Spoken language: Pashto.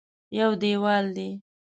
یو دېوال دی.